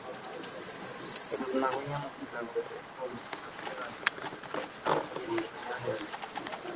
এরূপ না হইয়া মুক্তিলাভের উদ্দেশ্যে অনুষ্ঠিত হইলে রাজযোগও সেই একই লক্ষ্যে পৌঁছাইয়া দেয়।